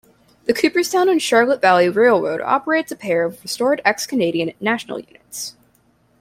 The Cooperstown and Charlotte Valley Railroad operates a pair of restored ex-Canadian National units.